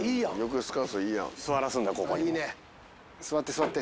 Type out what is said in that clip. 座って。